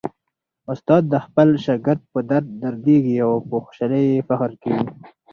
استاد د خپل شاګرد په درد دردیږي او په خوشالۍ یې فخر کوي.